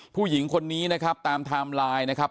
ผู้หญิงคนนี้นะครับตามไทม์ไลน์นะครับ